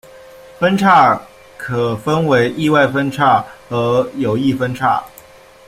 分叉可分为意外分叉和有意分叉。